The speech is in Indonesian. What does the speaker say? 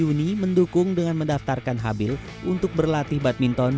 ibu unda yudhoye mendukung dengan mendaftarkan habil untuk berlatih badminton